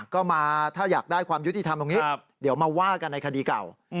ก็มาถ้าอยากได้ความยุติธรรมตรงนี้เดี๋ยวมาว่ากันในคดีเก่า